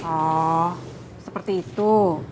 oh seperti itu